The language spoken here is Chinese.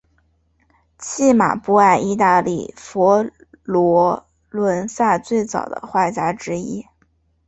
契马布埃意大利佛罗伦萨最早的画家之一。